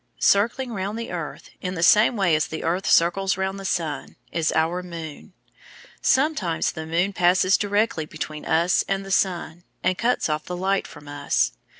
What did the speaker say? Circling round the earth, in the same way as the earth circles round the sun, is our moon. Sometimes the moon passes directly between us and the sun, and cuts off the light from us.